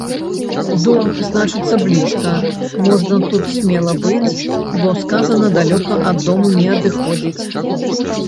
Дом, значыцца, блізка, можна тут смела быць, бо сказана далёка ад дому не адыходзіць.